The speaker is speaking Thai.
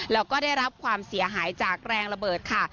แล้วก็ได้รับความเสียหายจากแรงระเบิดค่ะ